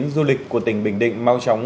du lịch của tỉnh bình định mau chóng